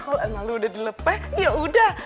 kalo emang lu udah dilepeh yaudah